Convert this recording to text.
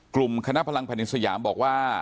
กลุ่มคณะพลังแผ่นดินสยามบอกว่า